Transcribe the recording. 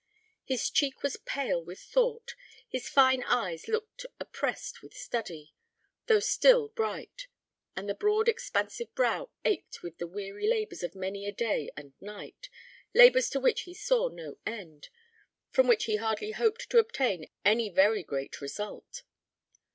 His cheek was pale with thought, his fine eyes looked oppressed with study, though still bright; and the broad expansive brow ached with the weary labours of many a day and night: labours to which he saw no end, from which he hardly hoped to obtain any very great result.